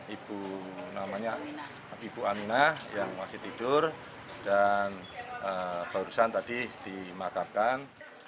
ibu namanya ibu aminah yang masih tidur dan barusan tadi dimakamkan